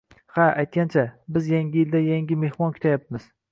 Ha, aytgancha, biz Yangi yilda Yangi mehmon kutayapmiz